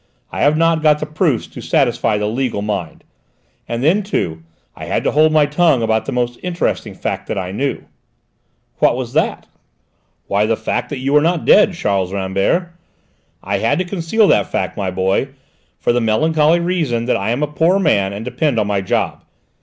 I have not got the proofs to satisfy the legal mind; and then, too, I had to hold my tongue about the most interesting fact that I knew." "What was that?" "Why, that you are not dead, Charles Rambert! I had to conceal that fact, my boy, for the melancholy reason that I am a poor man and depend on my job.